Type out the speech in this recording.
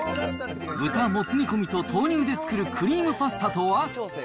豚もつ煮込みと豆乳で作るクリームパスタとは？